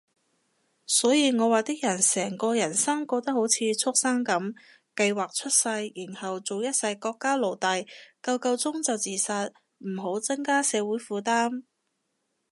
所以我話啲人成個人生過得好似畜牲噉，計劃出世，然後做一世國家奴隸，夠夠鐘就自殺，唔好增加社會負擔